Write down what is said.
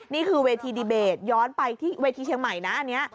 นี่คือเวทีดีเบตย้อนไปที่เวทีเชียงใหม่นะอันนี้